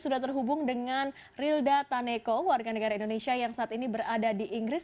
sudah terhubung dengan rilda taneko warga negara indonesia yang saat ini berada di inggris